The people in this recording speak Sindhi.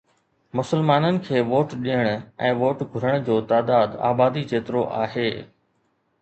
مسلمانن کي ووٽ ڏيڻ ۽ ووٽ گهرڻ جو تعداد آبادي جيترو آهي.